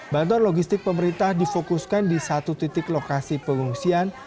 bantuan logistik pemerintah difokuskan di satu titik lokasi pengungsian